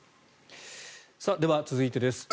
では、続いてです。